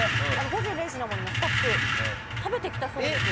「午前０時の森」のスタッフ食べてきたそうです。